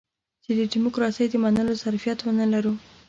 چې د ډيموکراسۍ د منلو ظرفيت ونه لرو.